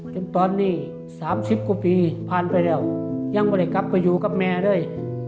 จนตอนนี้๓๐กว่าปีผ่านไปแล้วยังไม่ได้กลับไปอยู่กับแม่เลย